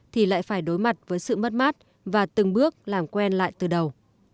thì lại phải đối mặt với sự mất mát và từng bước làm quen lại từ đầu